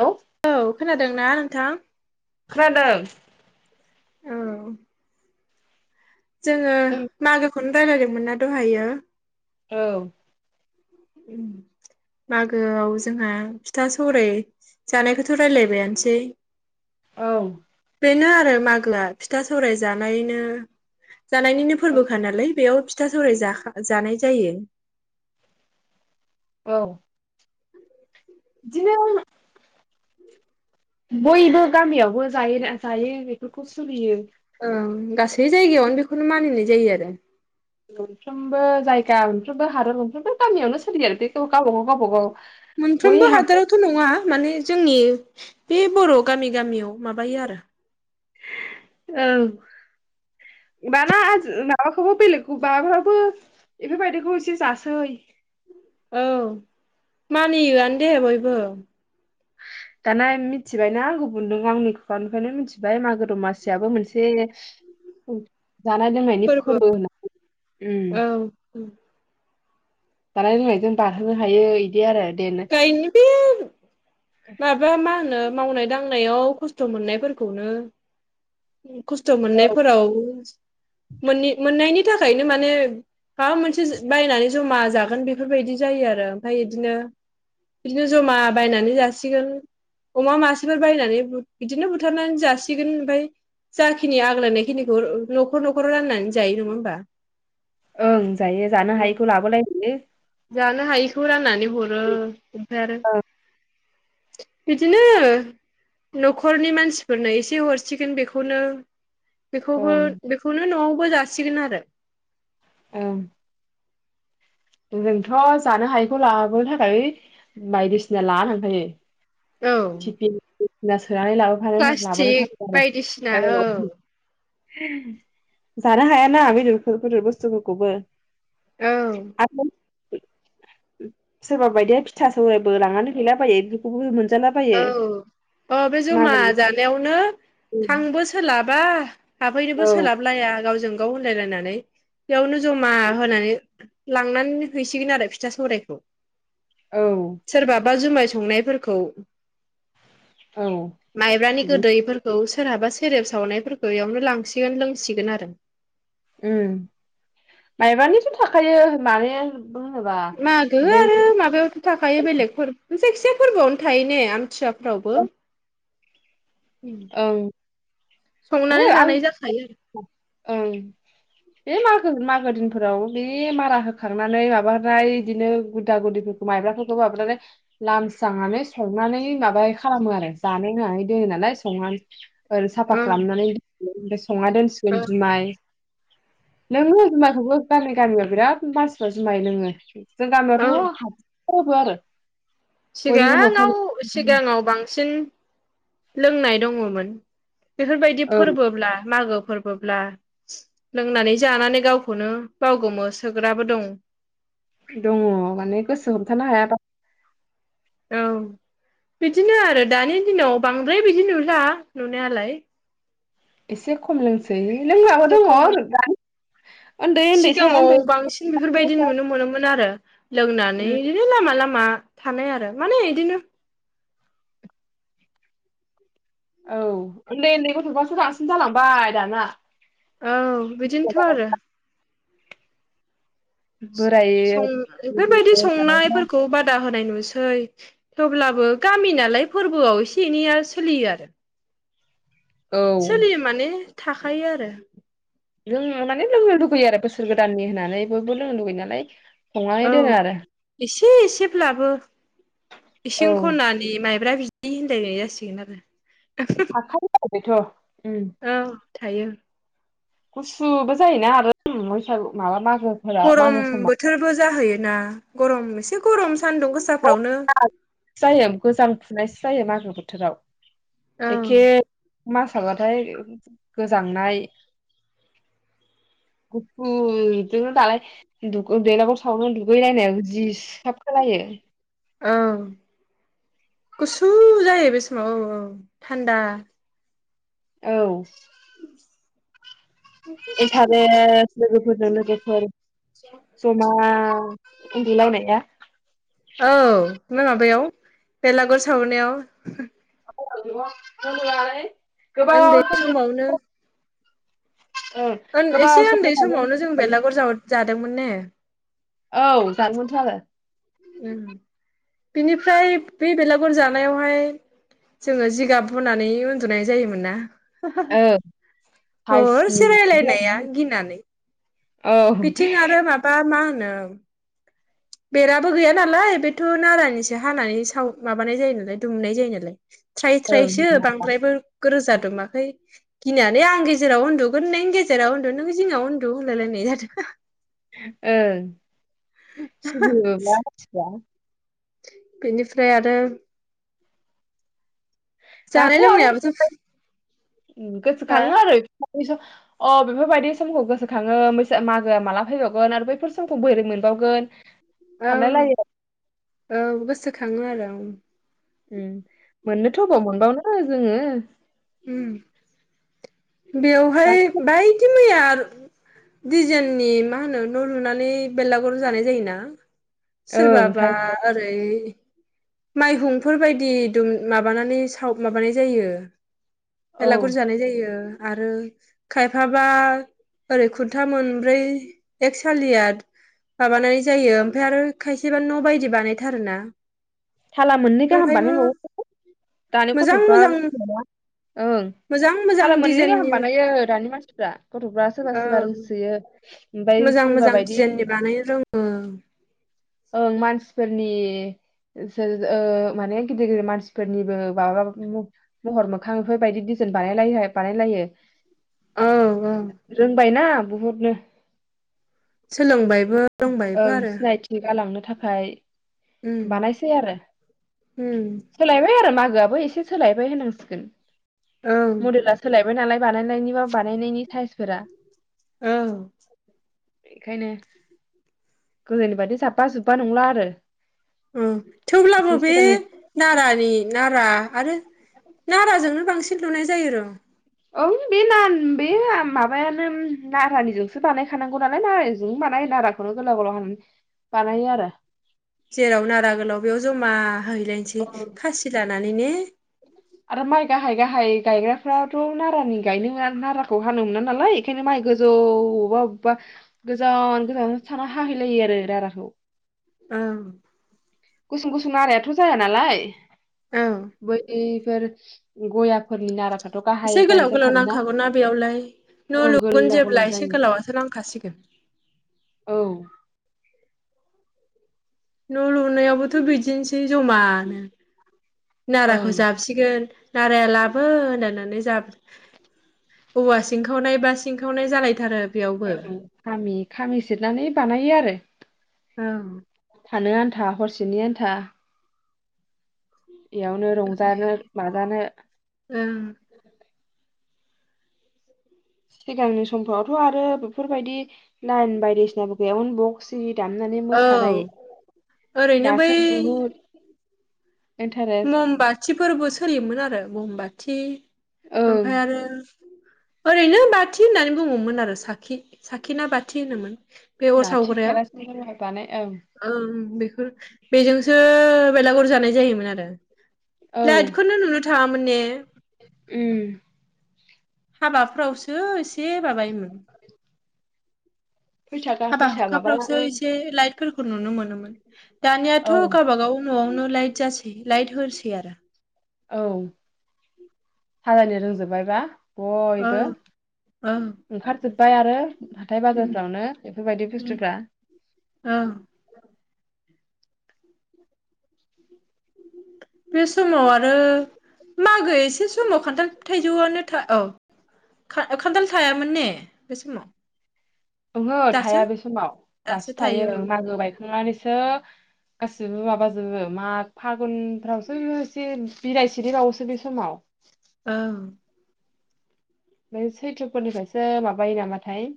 Hello औ खोनादों। दोंना नोंथां। खोनादों। औ। जोङो जों मागोखौनो रायज्लायदोंमोन ना? हायो। औ। मागोआव जोंहा फिथा सौराय जानायखौथ' रायलायबायानोसै। औ बेनो। आरो मागोआ फिथा सौराय जानायनो। जानायनिनो औ फोरबोखा नालाय बेयाव फिथा सौराय जानाय जायो। औ। बिदिनो बयबो गामियावबो जायो जायो बेफोरखौ सोलियो। औ गासै जायगायावनो बेखौनो मानिनाय जायो आरो। मोनफ्रोमबो जायगा मोनफ्रोमबो हादर मोनफ्रोमबो गामियावनो सोलियो आरो बेखौ गावबाागाव गावबाागाव मोनफ्रोमबो हादरावथ' नङा। माने जोंनि बे बर' गामि गामियाव माबायो आरो औ बाना माबाखौबो बेलेगखौ माबाफ्रावबो बेफोरबायदिखौ एसे जासै औ मानियोआनो दे बयबो दाना मिथिबायना गुबु नों आंनि खुखानिफ्रायनो मिथिबाय मागो दमासियाबो मोनसे जानाय लोंनायनि फोरबो होन्नानै उम। औ जानाय लोंनायजों दाहोनो हायो इदि आरो दे गायनो बे माबा मा होनो मावनाय दांनायाव खस्थ' मोननायफोरखौनो खस्थ' मोननायफोराव मोनि मोन्नायनि थाखायनो माने माबा मोनसे बायनानै जमा जागोन बेफोरबायदि जायो आरो ओमफ्राय बिदिनो इदिनो जमा बायनानै जासिगोन अमा मासेफोर बायनानै इदिनो बुथारनानै जासिगोन ओमफफ्राय जाखिनि आग्लायनाय खिनिखौ न'खर न'खराव रान्नानै जायो नङा होमबा? ओं जायो जानो हायैखौ लाबोलाय लायो जानो हायिखौ रान्नानै हरो ओमफ्राय आरो [inaudible] बिदिनो न'खरनि मानसिफोरनो एसे हरसिगोन बेखौनो बेखौबो ओं बेखौनो न'आव बो जासिगोन आरो ओं। जोंथ' जानो हायैखौ लाबोनो थाखाय बायदिसिना लाना थांखायो। औ। नास सोनानै लाबोफानो लाबोनो प्लास्टिक थाखाय बायदिसिना आरो औ। जानो हायाना बेदरौ बेदर बुस्थुफोरखौबो औ। सोरबा बायदिया फिथा सौरायबो लांनानै गैलाबायो बेखौबो औ अ बे जमा मागोनि जानायावनो थांबो सोलाबा हाबहैनोबो औ सोलाब लाया गावजों गाव होनलायनानै बेयावनो जमा होनानै लांनानै हैसिगोन आरो फिथा सौरायखौ। औ। बा जुमाय संनायफोरखौ औ माइब्रानि बिदि गोदैफोरखौ सोरहाबा सेरेब सावनायफोरखौ इयावनो लांसिगोन लोंसिगोन आरो। उम माइब्रानिथ' थाखायो माने होनोबा मागो आरो माबायावथ' थाखायो बेलेगफोर जायखिया फोरबोआवनो थायोन ने आमथिया फोरावबो ओमफ्राय ओं संनानै जानाय जाखायो [unintelligible] ओं। बे मागो मागो दिनफोराव बे मारा होखांनानै माबानाय बिदिनो गुदा गुदिफोरखौ माइब्राफोरखौ माबानानै लामस्रांनानै संनानै माबाय खालामो आरो जानो होननानै दै होनानै संनानै ओरै साफा आरो खालामनानै [unintelligible] संना दोनसिगोन औ जुमाय लोङो जुमायखौबो गामि गामियाव बिराद मानसिफ्रा जुमाय लोङो। जों औ गामियावथ' [unintelligible] बयनिबो सिगाङाव न'खर सिगाङाव बांसिन लोंनाय दङमोन। बेफोरबायदि औ फोरबोब्ला मागो फोरबोब्ला लोंनानै जानानै गावखौनो बावगोमो सोग्राबो दं। दङ माने गोसो हमथानो हायाबा औ बिदिनो आरो दानि दिनाव बांद्राय बिदि नुला नुनायालाय। एसे खम लोंसै। लोंग्राबो एसे दङ खम आरो दानि सिगाङाव बांसिन बेफोरबायदि नुनो मोनोमोन आरो। लोंनानै उम बिदिनो लामा लामा थानाय आरो माने इदिनो औ उन्दै उन्दै गथ'फ्रासो बांसिन जालांबाय दाना। औ बिदिनोथ' आरो। बोराय सं बेफोरबायदि संनायफोरखौ बादा होनाय नु सै थेवब्लाबो गामि नालाय फोरबोआव एसे एनैया सोलियो आरो। औ सोलियो माने। थाखायो आरो। लोंनो माने लोंनो लुगैयो आरो बोसोर गोदाननि होननानै बयबो लोंनो लुगैयो नालाय संनानै औ दोनो आरो एसे एसेब्लाबो औ इसिं खनानि माइ ब्रा बिदि होनलायनाय जासिगोन आरो। [unintelligible] थाखायो आरो बेथ' उम औ थायो। गुसुबो जायोना आरो बैसागु माबा मागो मागोफोराव गरम समाव बोथोरबो जाहैयोना। गरम ऐसे गरम सान्दुं गोसाफ्रावनो [unintelligible] जायो गोजांफुनाय जायो मागो बोथोराव। एखे। मासाबाथाय गोजांनाय गुफुर बिदिनो दालाय बेलागुर सावनो दुगैलायनाय जि साब खोनायो। औ गुसु जायो बे समाव औ औ थान्दा। औ। इन्टारेस्ट लोगोफोरजों लोगोफोर जमा उन्दुलायनाया। औ ना माबायाव बेलागुर सावनायाव। [unintelligible] उन्दै समनि समावनो। ओं गोबाव एसे समनि उन्दै थाखायनो समावनो जों बेलागुर [unintelligible] दंमोन ने। औ जानमोनथ' आरो उम बिनिफ्राय बे बेलागुर जानायावहाय जोङो जिगाब बनानै उन्दुनाय जायोमोन ना? ओ हरसे रायलायनाया गिनानै औ ओं बिथिं आरो माबा मा होन नों बेराबो गैया नालाय बेथ' नारानिसो हानानै साव माबानाय जायो नालाय दुमनाय जायो नालाय। थ्राय थ्रायसो बांद्रायबो रोजा दुमाखै। गिनानै आं गेजेराव उन्दुगोन नों गेजेराव उन्दु नों जिङाव उन्दु होनलायलायनाय जादों। ओं। सिगियो [unintelligible] [inaudible] बेनिफ्राय आरो जानाय लोंनायाबोथ' गोसो फुरा खाङो आरो अ बेफोरबायदि समखौ गोसोखाङो मागोआ माला फैबावगोन आरो बैफोर समखौ बोरै मोनबावगोन? सानलाय ओं लायो ओं गोसो खाङो आरो ओं। उम मोननोथ' अबाव मोनबावनो जोङो। उम बेवहाय बायदि मैया आरो दिजेननि मा होनो न' लुनानै बेलागुर जानाय जायोना। ओं सोरबाबा ओरै माइहुंफोरबायदि दुम माबानानै साव माबानाय जायो। औ बेलागुर जानाय जायो। आरो खायफाबा ओरै खुन्था मोनब्रै एक सालिया माबानानै जायो ओमफ्राय आरो खायसेबा न' बायदि बानायथारोना। थाला मोननै गाहाम बेवहायबो बानायबावो दानि मोजां गथ'फ्रा मोजां ओं मोजां मोजां थाला मोननै गाहाम डिजाइननि बानायो दानि मानसिफ्रा गथ'फ्रा सोरबा औ सोरबा रोंसोयो। ओमफ्राय मोजां सोरबा मोजां बायदि दिजाइननि बानायनो रोङो। ओं मानसिफोरनि ओ माने गिदिर गिदिर मानसिफोरनिबो माबा महर मोखां बेफोरबायदि दिजाइन बानायलायोहा बानायलायो औ औ रोंबायना बुहुदनो। सोलोंबाय ओं सिनायथि गालांनो थाखाय उम बानायसै आरो उम सोलायबाय आरो मागोआ। बो एसे सोलायबाय होननांसिगोन। औ मदेला सोलायबाय। बाय नालाय बानायनायनि बा बानायनायनि साइसफोरा ओं बेखायनो गोदोनि बादि जाब्बा जुब्बा नंला आरो। औ थेवब्लाबो एसे बे सिगांनि नारानि नारा आरो नाराजोंनो बांसिन लुनाय जायो र'। ओं बे ना बे माबायानो नारानिजोंसो बानायखानांगौ नालाय नारजों बानायो नाराखौनो गोलाव गोलाव हानानै बानायो आरो। जेराव नारा गोलाव बेयाव जमा जाहैलायनोसै खासि लानानै ने। आरो माइ गाहाय गाहाय गायग्राफ्राथ' नारानि गायनो नाराखौ हानो मोना नालाय ओंखायनो माइ गोजौ बबेबा अबेबा गोजान गोजान थाना हाहैलायो आरो नाराखौ। औ गुसुं गुसुं नारायाथ' जाया नालाय। औ बैफोर गयाफोरनि नारा एसे गोलाव गोलाव नांखागौना बेयावलाय न' ओं लुगोन गोलाव जेब्ला गोलाव एसे जायो गोलावासो नांखासिगोन। औ न' सनायावबोथ' बिदिनोसै जमानो नाराखौ ओं जाबसिगोन नार भाराया लाबो होननानै ज औवा सिंखावनाय बा सिंखावनाय जालायथारो बेयावबो औ खामि खामि सेरनानै बानायो आरो ओं थानो आन्था हरसेनि आन्था इयावनो रंजानो माजानो ओं सिगांनि समफोरावथ' आरो बेफोरबायदि लाइयेन बायदिसिनााब गैयान टस आरि दामनानै औ मोसानाय ओरैनो बै दासो दुलुर ममबाथिफोरबो सोलियोमोन आरो ममबाथि थै ओं ओमफ्राय आरो ओरैनो बाथि होननानै बुङोमोन आरो साखि साखिनाा बाथि होनोमोन बे अर लाथि सावग्राया केरासिन जमा बानाय ओं ओ बोखौ बेजोंसो बेलागर जानाय जायोमोन आरो औ [inaudible] लाइटखौनो नुनो थाङामोन ने उम हाबाफ्रावसो एसे माबायोमोन फैसा गा हाबा फैसा हुखाफ्रावसो माबानानै एसे लाइटफोरखौ नुनो मोनोमोन दानियाथ' औ गावबागाव न'आवनो लाइट गोसै लायट होसै आरो औ हाजानि रोंजोबबायबा औ बयबो औ ओंखारजोब ओमफ्राय आरो हाथाय उम बाजारफ्रावनो बेफोरबायदि उम बुस्तुफ्रा औ बे समाव आरो मागो एसे समाव खान्थाल थाइजौआनो था औ खान्थाल थायामोन ने बे समाव ओहो दासो थाया बे समाव दासो थायो मागो बायखांनानैसो गासैबो माबाजोबो माग -फागुनफ्रावसो एसे बिलाइ सिरिबावोसो बे समाव ओं बेम सैथ्रफोरनिफ्रायसो माबायो नामाथाय [inaudible]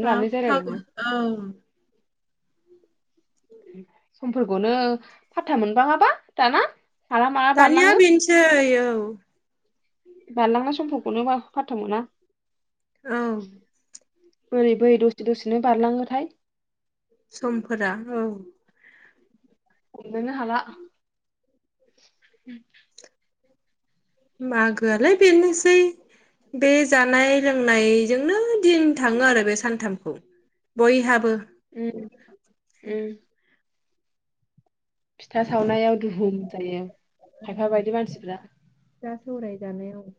माख लानो -फागुन जालायलाङा औ समफोरखौनो फा मोनबाङाबा! दाना माला माला दानिया बारलाङो बिनसै औ बारलांनाय समफोरखौनो फारथाव मोना औ बोरै बोरै दसे दसेनो बारलाङोथाय। समफोरा औ हमनोनो हाला [unintelligible] मागोआलाय बेनोसै बे जानाय लों बुंनायजोंनो दिन थाङो आरो बे सानथामखौ बयहाबो [inaudible] उम फिथा सावनायाव दुहुम जायो। खायफा बायदि मानसिफ्रा जा सौराय जानायाव